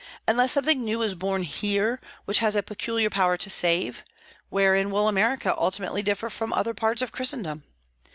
Unless something new is born here which has a peculiar power to save, wherein will America ultimately differ from other parts of Christendom?